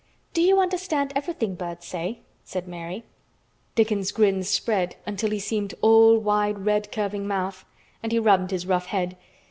"Do you understand everything birds say?" said Mary. Dickon's grin spread until he seemed all wide, red, curving mouth, and he rubbed his rough head.